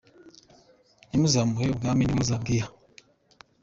ntimuzamuhe ubwami ni we uzabwiha”.